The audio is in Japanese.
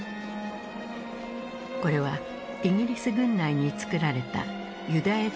これはイギリス軍内に作られたユダヤ人部隊の結団式。